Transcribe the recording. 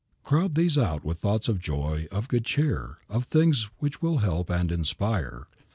Crowd these out with thoughts of joy, of good cheer, of things which will help and inspire.